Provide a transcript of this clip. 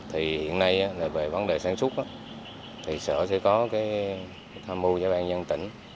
hiện nay về vấn đề sản xuất sở sẽ có tham mưu cho bàn dân tỉnh